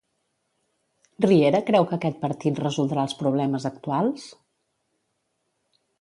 Riera creu que aquest partit resoldrà els problemes actuals?